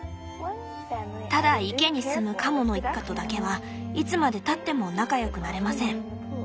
「ただ池に住むカモの一家とだけはいつまでたっても仲良くなれません。